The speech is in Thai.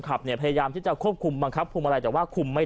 ขับเนี่ยพยายามที่จะควบคุมบังคับคุมอะไรแต่ว่าคุมไม่